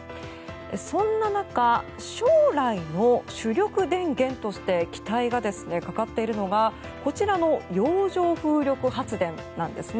そんな中、将来の主力電源として期待がかかっているのがこちらの洋上風力発電なんですね。